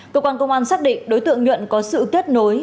cơ quan công an xác định đối tượng nhuận có sự kết nối